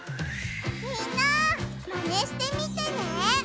みんなマネしてみてね！